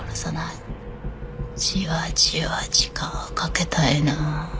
じわじわ時間をかけたいな。